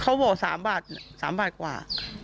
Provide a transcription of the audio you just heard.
เขาบอก๓บาท๓บาทกว่า